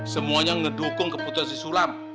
semuanya ngedukung keputusan si sulam